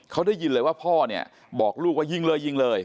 เขาได้ยินเลยว่าพ่อเนี่ยบอกลูกว่ายิงเลยยิงเลย